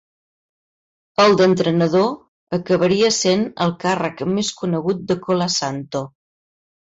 El d'entrenador acabaria sent el càrrec més conegut de Colasanto.